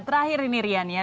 terakhir ini rian ya